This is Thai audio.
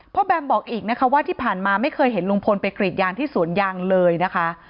แบมบอกอีกนะคะว่าที่ผ่านมาไม่เคยเห็นลุงพลไปกรีดยางที่สวนยางเลยนะคะ